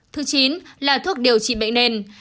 thứ chín là thuốc điều trị bệnh nền